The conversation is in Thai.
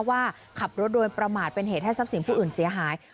ว่าขับรถโดยประมาทเป็นเหตุให้ทรัพย์สินผู้อื่นเสียหาย